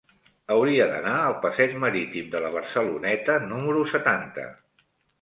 Hauria d'anar al passeig Marítim de la Barceloneta número setanta.